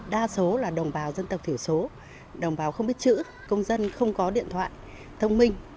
đa số là đồng bào dân tộc thiểu số đồng bào không biết chữ công dân không có điện thoại thông minh